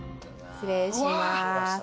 失礼します。